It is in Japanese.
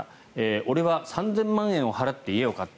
俺は３０００万円を払って家を買った。